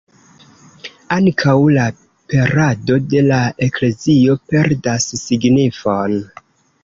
Ankaŭ la perado de la Eklezio perdas signifon.